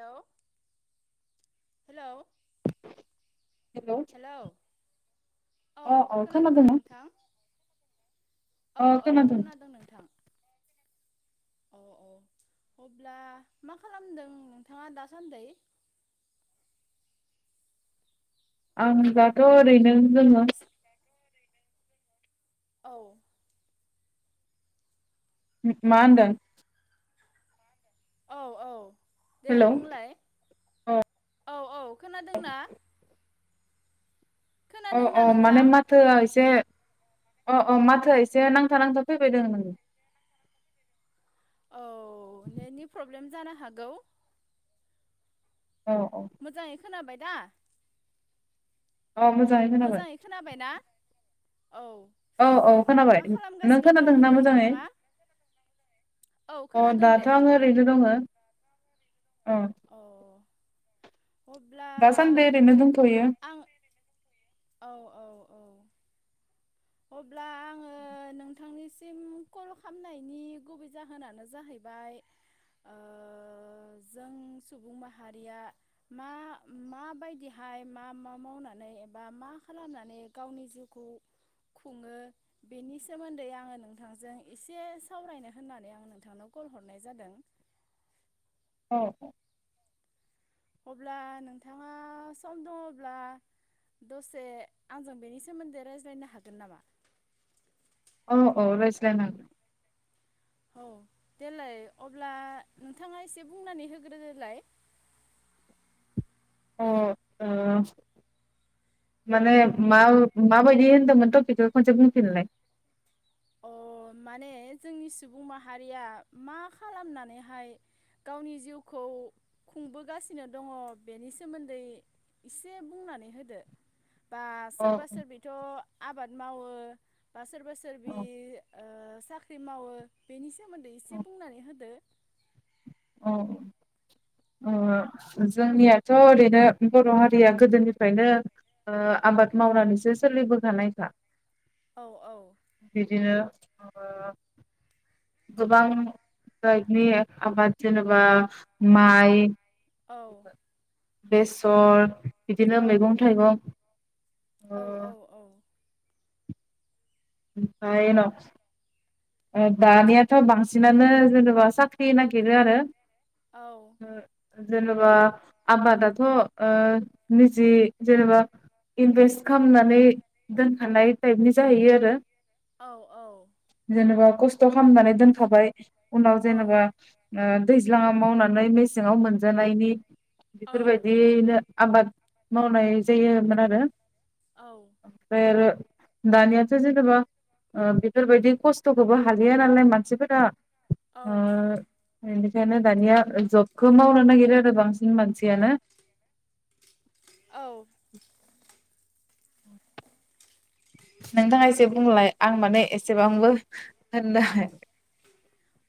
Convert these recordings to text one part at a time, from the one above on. हेल' hello hello औ अ अ खोनादोंना? नोंथां औ औ खोनादों नोंथां। [inaudible] औ औ अब्ला मा खालामदों नोंथाङा दासान्दै? आं दाथ' ओरैनो दङ एसे औ मा होनदों? औ औ दे हेलौ बुंलाय अ औ औ खोनादोंना? अ अ खोनादोंना माने नोंथां माथोआ एसे अ अ माथोआ एसे नांथा नांथा फैबाय दों नोंनि औ नेटनि प्रब्लेम जानो हागौ औ औ मोजाङै खोनाबाय दा? अ खोनाबाय मोजाङै खोनाबायना? औ औ खोनाबाय नों खालामगासिनो दं खोनादों ना होनदों मोजाङै? नोंथाङा औ अ खोनादों दे दाथ' आङो ओरैनो दङ। [inaudible] अ अब्ला दासानदिनो ओरैनो दंथयो। आं औ औ औ अब्ला आङो नोंथांनिसिम कल खालामनायनि गुबै जाहोनानो जाहैबाय ओ जों सुबुं माहारिया मा माबायदिहाय मा मा मावनानै बा मा खालामनानै गावनि जिउखौ खुङो बेनि सोमोन्दै आङो नोंथांजों एसे सावरायनो होननानै आं नोंथांनाव कल हरनाय जादों औ अब्ला नोंथाङा सम दङब्ला दसे आंजों बेनि सोमोन्दै रायज्लायनो हागोन नामा? अ औ रायज्लायनो हागोन। औ देलाय अब्ला नोंथाङा एसे बुंनानै होग्रोदोलाय अ माने मा माबायदि होन्दोंमोन टपिकखौ खनसे बुंफिनलाय अ माने जोंनि सुबुं माहारिया मा खालामनानैहाय गावनि जिउखौ खुंबोगासिनो दङ बेनि सोमोन्दै एसे बुंनानै होदो बा अ सोरबा सोरबिथ' आबाद मावो बा सोरबा सोर बे अ ओ साख्रि मावो बेनि सोमोन्दै एसे बुंनानै होदो औ ओ जोंनियाथ' ओरैनो बर' हारिया गोदोनिफ्रायनो ओ आबाद मावनानैसो सोलिबोखानायखा औ औ [inaudible] बिदिनो ओ गोबां जाइगनि आबाद जेनेबा माइ औ बेसर बिदिनो औ मैगं थाइगं ओ औ औ औ [unintelligible] दानियाथ' बांसिनानो जेनेबा साख्रि नागिरो आरो औ जेनेबा आबादाथ' निजि जेनेबा इनभेस्ट खालामनानै दोनखानाय टाइपनि जाहैयो आरो। औ-औ जेनेबा खस्थ' खालामनानै दोनखाबाय। उनाव जेनेबा औ दै दैज्लाङाव मावनानै मेसेङाव मोनजानायनि बिफोर औ बायदियैनो आबाद मावनाय जायोमोन आरो। औ [unintelligible] दानियाथ' जेनेबा बेफोरबायदि खस्थ' खस्थ'खौबो हालिया नालाय मानसिफोरा ओ औ बेनिखायनो दानिया जबखौ मावनो नागिरो। बांसिन मानसियानो औ नोंथाङा एसे बुंलाय आं माने एसेबांबो होनदों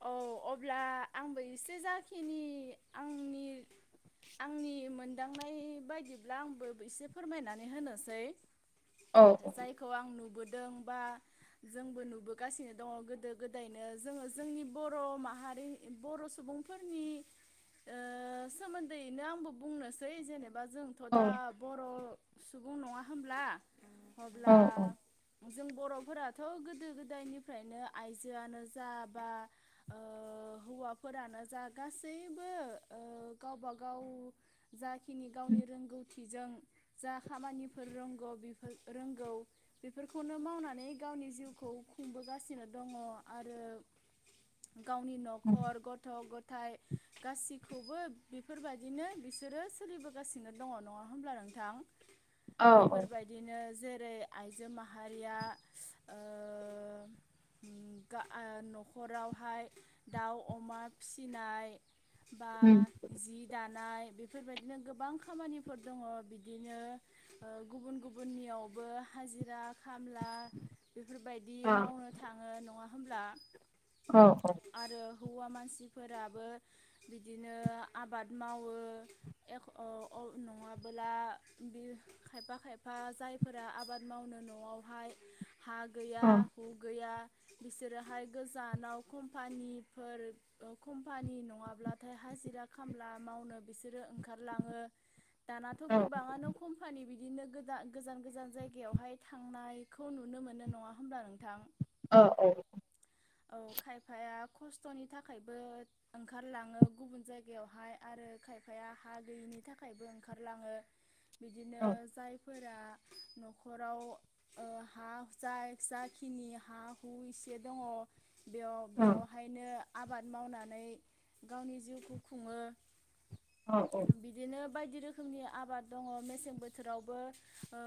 औ अब्ला आंबो एसे जाखिनि आंनि आंनि मोनदांनाय बायदिब्ला आंबो एसे फोरमायनानै होनोसै। औ जायखौ आं नुबोदों। [unintelligible] जोंबो नुबोगासिनो दङ गोदो गोदायनो जों जोंनि बर' माहारि बर' सुबुंफोरनि सोमोन्दैयैनो आंबो बुंनोसै जेनेबा जोंथ' औ दा बर' सुबुं नङा होनब्ला औ अब्ला औ जों बर'फोराथ' गोदो गोदायनिफ्रायनो आइजोआनो जा बा ओ हौवाफोरानो जा गासैबो ओ गावबागाव जा खिनि गावनि रोंगौथि थिजों जा खामानिफोर रोंगौ बेफोर रोंगौ बेफोरखौनो मावनानै गावनि जिउखौ खुंबोगासिनो दङ आरो। गावनि न'खर गथ' ग' थाय गासिखौबो बेफोरबायदिनो बिसोरो सोलिबोगासिनो दङ नङा होनब्ला नोंथां औ बेफोरबायदिनो जेर रै आइजो माहारिया ओ उम गा आ न' खरावहाय दाउ अमा फिनाय बा जि दान नाय बेफोरबायदिनो गोबां खामानिफोर दङ बिदिनो गुबुन गुबुननियावबो हाजिरा खामला बेफोरबायदि औ मावनो थाङो नङा होमबला औ औ हौवा मानसिफोराबो बिदिनो आबाद मावो एख' अ अ नङाबोला बि खायफा-खायफा जायफोरा आबाद मावनो न'आवहाय हा गैया हु गैया बिसोरोहाय गोजानाव कम्पानिफोर कम्पानि नङाब्लाथाय हाजिरा खामला मावनो बिसोरो ओंखारलांङो दानाथ' औ गोबाङानो कम्पानि बि दिनो गोजा गोजान-गोजान जायगायावहाय थांनायखौ नुनो मोनो नङा होमब्ला नोंथां। औ औ औ खायफाया खस्थ'नि थाखायबो ओंखारलाङो गुबुन जायगायावहाय आरो खायफाया हा गैयिनि थाखायबो ओंखारलाङो बिदिनो औ जाय फोरा न'खराव ओ हा जाय जाखिनि हा हु एसे दंङ औ बेयाव-बेयावहायनो आबाद मावनानै गावनि जिउखौ खुङो औ औ बिदिनो बायदि रोखोमनि आबाद दंङ मेसें बोथोरावबो ओ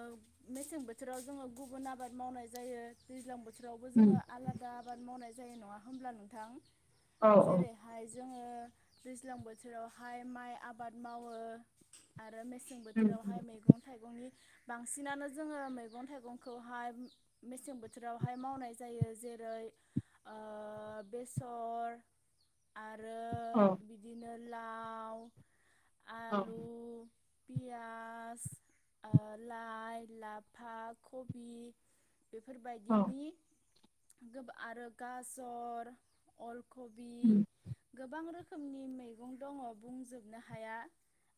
मेसें बोथोराव जोंङो गुबुन आबाद मावनाय जायो दैज्लां बो थोरावबो जोंङो उम आला आबाद मावनाय जायो नङा होमब्ला नोंथां औ जेरै हाय जोंङो दैज्लां बोथोरावहाय माइ आबाद मावो आ रो मेसें उम बोथोरावहाय उम मैगं थाइगंनि बांसिनानो जोंङो मैगं थाइगंखौहाय मेसें बोथोरावहाय मावनाय जायो जे रै ओ बेसर आ औ लाव औ आलु पियास ओ लाय लाफा कबि औ बेफोरबायदिनि गोबा आरो गाजर अल कबि उम गोबां रो खोमनि मैगं दंङ बुंजोबनो हाया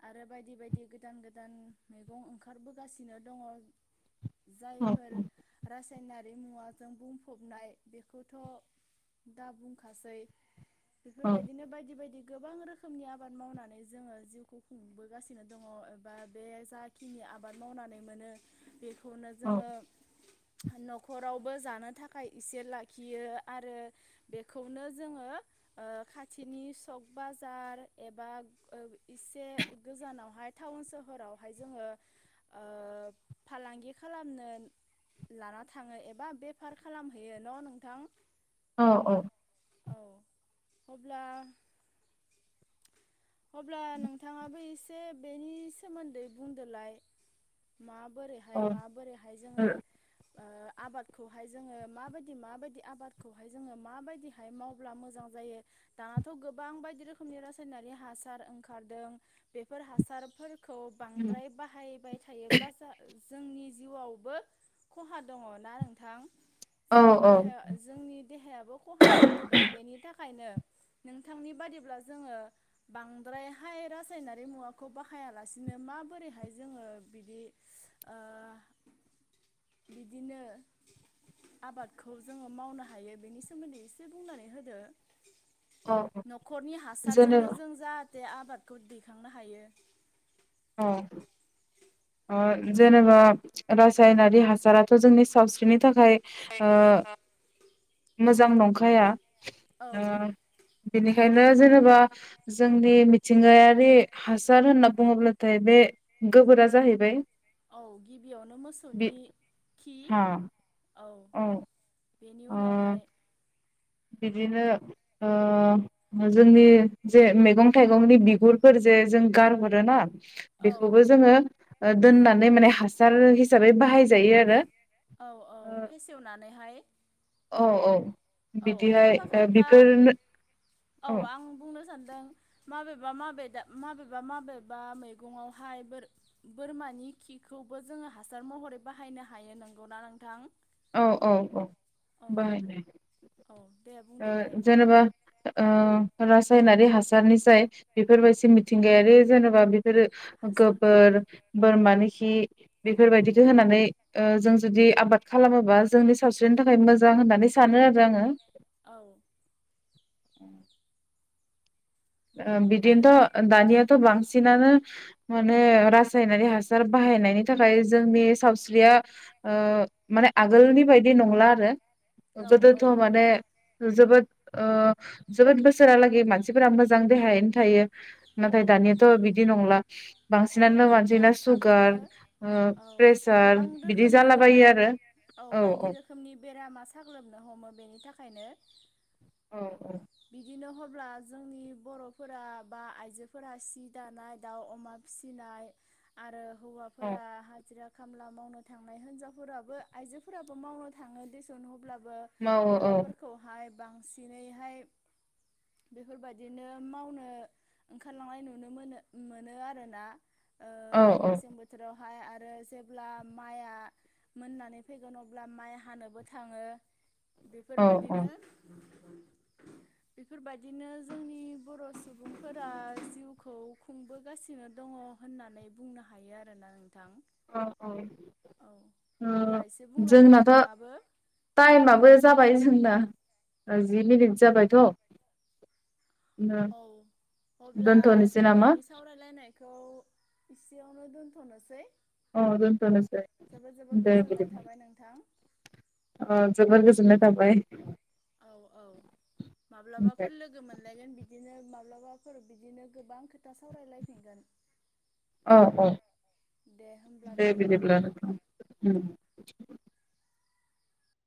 आरो बायदि बायदि गोदान गोदान मैगं ओंखारबोगासिनो दंङ औ जायफोर राज नायारि मुवाजों बुं [unintelligible] बेखौथ' दा बुंखासै औ बेफोरबादिनो बायदि बायदि गोबां रोखोमनि आबाद मावनानै जोङो जिउखौ खुंबोगासिनो दङ एबा बे जाखिनि आबाद मावनानै मोनो बेखौ खौनो औ जोङो न'खरावबो जानो था थखाय इसे लाखियो आरो बेखौनो जोङो ओ खाथिनि सक बाजार एबा ओ इसे गोजानावहाय टाउन सोहोरावहाय जोङो ओ फालांगि खालामनो लाना थाङो एबा बेफार खालामहैयो न' नोंथां औ औ औ अब्ला अब्ला नोंथाङाबो एसे बेनि सोमोन्दै बुंदोलाय मा बोरैहाय माबोरैहाय जोङो ओ आबादखौहाय जोङो माबायदि माबायदि आबादखौहाय जोङो माबायदिहाय मावब्ला मोजां जायो दानाथ' गोबां बायदि रोखोमनि रासायनारि हासार ओंखारदों बेफोर हासारफोर खौ बांद्राय बाहायबाय थायोब्ला [unintelligible] जोंनि जिउआवबो खहा दङ ना नोंथां ओ औ जोंनि देहाया जोंनि देहायाबो खहा जानो हमदों बेनि थाखायनो नोंथांनि बादिब्ला जोङो बांद्रायहाय रासायनारि मुवाखौ बाहायालासिनो माबोरैहाय जोङो बिदि ओ बिदिनो आबादखौ जोङो मावनो हायो बेनि सोमोन्दै इसे बुंनानै होदो। औ न'खरनि हासारजोंनो जेनेबा [unintelligible] आबादखौ दैखांनो हायो अ अ जेनेबा रासायनारि हासाराथ' जोंनि सावस्रिनि थाखाय ओ मोजां नंखाया औ ओ बेनिखायनो रो जेनेबा जोंनि मिथिंगायारि हासार होनना बुङोब्ला थाय बे गोबोरा जाहैबाय औ गिबियावनो बे मोसौनि खि हा औ औ बेनि ओ उनावहाय बिदिनो ओ जोंनि जे मैगं थाइगंनि बिगुरफोर जे जों गारहरोना औ बेखौबो जोङो दोननानै माने हासार हिसाबै बाहायजायो आरो औ औ फेसेवनानैहाय औ औ औ बिदिहाय खायफा खायफा बेफोरनो औ आं बुंनो सान दों माबेबा माबेा माबेबा माबेबा मैगंावहाय बोरमानि खिखौबो जोङो हासार महरै बाहायनो हायो नंगौना नोंथां? औ औ औ औ बाहायनाय औ दे बुंदोलाय ओ जेनेबा ओ रासायनारि हासारनि जाय बेफोरबायदि मिथिंगायारि जेनेबा [unintelligible] हासारखौ गोबोर बोरमानिखि औ बेफोरबायदिखौ होनानै ओ जों जुदि आबाद खालामोबा जोंनि सावस्रिनि थाखाय मोजां होननानै सानो आरो आङो औ उम ओ आरो बिदिनोथ' दानियाथ' बांसिनानो माने रासायनारि हासार बाहायनायनि थाखाय जोंनि सावस्रिया ओ माने आगोलनि बायदि नंला आरो गोदोथ औ माने जोबोद ओ जोबोद बोसोरालागै मानसिफोरा मोजां मोजां देहायानो थायो औ नाथाय दानियाथ' बिदि नंला औ बांसिनानो मानसिना थाब सुगार थाबैनो ओ औ प्रेसार गोबां बिदि रोखोमनि जालाबायो आरो औ बायदि रोखोमनि बेरामा साग्लोबनो हमो बेनि थाखायनो औ बिदिनो अब्ला जोंनि बर'फोरा बा आइजो आइजोफोरा सि दानाय दाउ अमा फिसिनाय आरो औ हौवाफोरा हाजिरा खामला मावनो थांनाय हिनजावफोराबो आइजोफोराबो मावनो थाङो दस [unintelligible] मावो औ हौवाफोरखौहाय बांसिनैहाय बेफोरबायदिनो मावनो ओंखारलांनाय नुनो मोनो मोनो आरोना औ औ मेसें बोथोराव बेहाय आरो जेब्ला माइआ मोननानै फैगोन अब्ला माइ हानोबो थाङो बेफोरबायादिनो बेफोरबायदिनो जोंनि बर' सुबुं फोरा जिउखौ खुंबोगासिनो दङ होननानै बुंनो हायो आरोना नोंथां औ औ औ ओ अब्ला एसे बुंलायदो जोंनाथ' नोंथाङाबो टाइमाबो जाबाय जोंदा जि मिनिट जाबायथ' औ अब्ला दोनथ'नोसै नामा दिनैनि सावरायलायनाय बेखौ इसेयावनो दोनथ'नोसै अ दोनथनोसै जोबोद जोबोद दे गोजोननाय थाबाय नोंथां बिदिब्ला जोबोर गोजोननाय थाबाय औ औ माब्लाबाफोर लोगो मोनलायगोन बिदिनो माब माब्लाबाफोर बिदिनो गोबां खो औ औ दे होमब्ला दे बिदिबा बिदिब्ला नोंथां